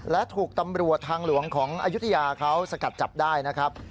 และถูกตำรวจทางหลวงของอายุทยาเขาสกัดจับได้นะครับ